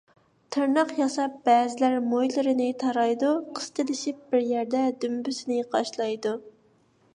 تىرناق ياساپ بەزىلەر مويلىرىنى تارايدۇ، قىستىلىشىپ بىر يەردە دۈمبىسىنى قاشلايدۇ.